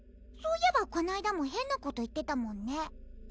そういえばこないだも変なこと言ってたもんね